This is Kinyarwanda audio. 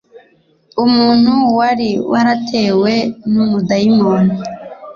umuntu wari waratewe n umudayimoni